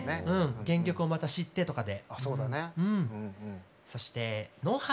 原曲を、また知ってとかで。